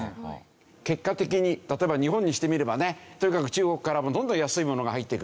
結果的に例えば日本にしてみればねとにかく中国からどんどん安いものが入ってくる。